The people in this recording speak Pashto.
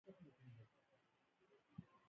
د افغانستان خبریالان حقایق وايي